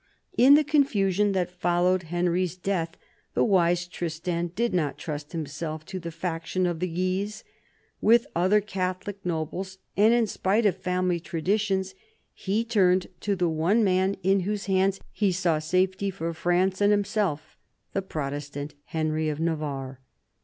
In the confusion that followed Henry's death, the wise " Tristan " did not trust himself to the faction of the Guises. With other Catholic nobles, and in spite of family traditions, he turned to the one man in whose EARLY YEARS 9 hands he saw safety for France and himself, the Protestant Henry of Navarre.